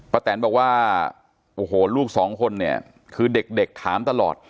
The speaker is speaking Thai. แตนบอกว่าโอ้โหลูกสองคนเนี่ยคือเด็กถามตลอด